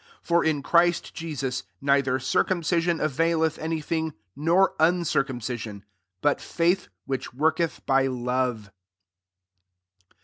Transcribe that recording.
6 For in Christ Jesus, neither cir cumcision availeth any thing, nor uncircumcision ; but faith which worketh by love.